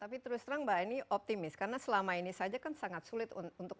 tapi terus terang mbak eni optimis karena selama ini saja kan sangat sulit untuk